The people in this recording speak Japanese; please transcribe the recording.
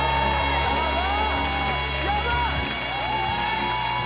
やばい